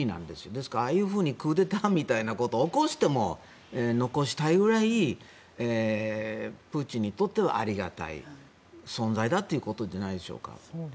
だから、ああいうクーデターみたいなことを起こしても残したいくらいプーチンにとってはありがたい存在だということじゃないでしょうか。